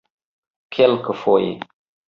kelkfoje